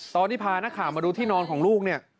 ตอนที่พานักข่าวมาดูที่นอนของลูกเนี่ย